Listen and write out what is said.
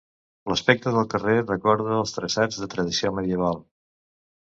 L'aspecte del carrer recorda els traçats de tradició medieval.